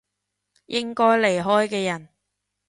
應該離開嘅人